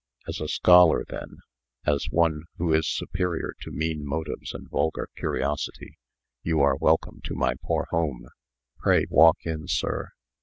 "As a scholar, then as one who is superior to mean motives and vulgar curiosity you are welcome to my poor home. Pray, walk in, sir.